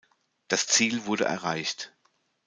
Das Ziel wurde erreicht.